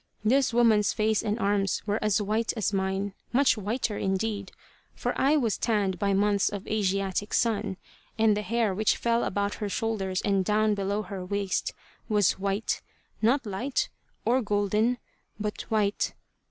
This woman's face and arms were as white as mine much whiter, indeed, for I was tanned by months of Asiatic sun and the hair which fell about her shoulders and down below her waist, was white; not light, or golden, but white.